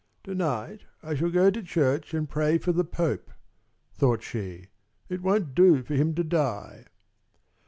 "To night I shall go to church and pray for the Pope," thought she. "It won't do for him to die."